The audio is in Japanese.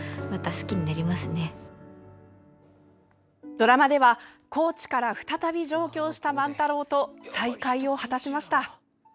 ドラマでは高知から再び上京した万太郎と再会を果たしました。